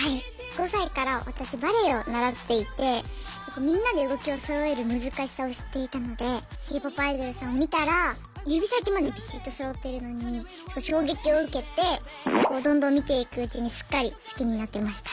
５歳から私バレエを習っていてみんなで動きをそろえる難しさを知っていたのでＫ−ＰＯＰアイドルさんを見たら指先までびしっとそろっているのに衝撃を受けてどんどん見ていくうちにすっかり好きになってました。